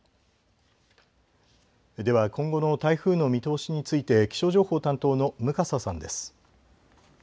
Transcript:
では今後の台風の見通しについて気象情報担当の向笠さんです。